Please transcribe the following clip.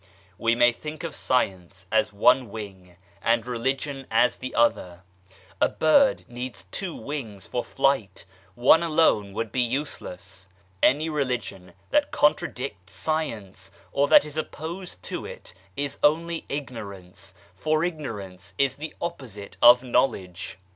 We may think of Science as one wing and Religion as the other ; a bird needs two wings for flight, one alone would be useless. Any religion that contradicts Science or that is opposed to it, is only ignorance for Ignorance is the opposite of Knowledge.